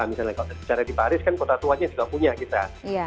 misalnya kalau bicara di paris kan kota tuanya juga punya kita